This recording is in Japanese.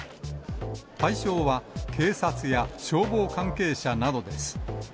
対象は警察や消防関係者などです。